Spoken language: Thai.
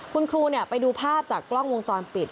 คุณครูไปดูภาพจากกล้องวงจรปิด